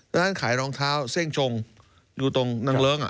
ร้านขายรองเท้าเส้งชงอยู่ตรงนางเลิ้ง